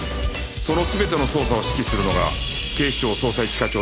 その全ての捜査を指揮するのが警視庁捜査一課長である